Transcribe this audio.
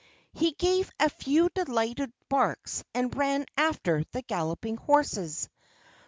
He gave a few delighted barks and ran after the galloping horses.